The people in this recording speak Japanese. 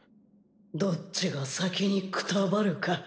どっちが先にくたばるか。